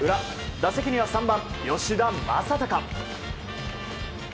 打席には３番、吉田正尚。